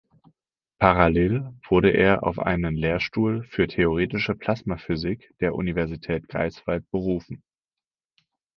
Parallel wurde er auf einen Lehrstuhl für theoretische Plasmaphysik der Universität Greifswald berufen.